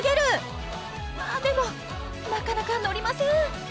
でもなかなかのりません。